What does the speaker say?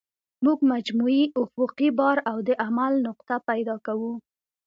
موږ مجموعي افقي بار او د عمل نقطه پیدا کوو